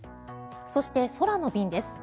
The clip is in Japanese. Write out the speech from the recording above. そして、空の便です。